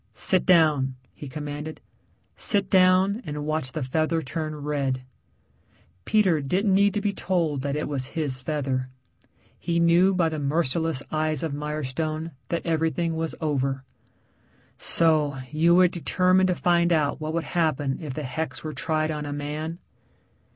"Sit down," he commanded. "Sit down and watch the feather turn red." Peter didn't need to be told that it was his feather. He knew by the merciless eyes of Mirestone that everything was over. "So, you were determined to find out what would happen if the hex were tried on a man?"